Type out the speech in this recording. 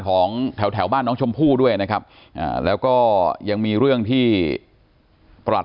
ของแถวแถวบ้านน้องชมพู่ด้วยนะครับแล้วก็ยังมีเรื่องที่ประหลัด